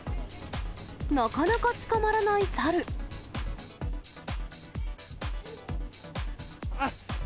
なかなか捕まらない猿。